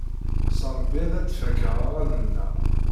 S Ṛebbi ar ad fakeɣ aɣanen-a.